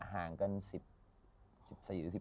บางเชิดมีแฟนเด็กสุดอายุเท่าไร